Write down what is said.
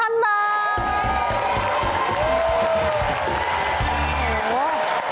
เห็นไหมว่า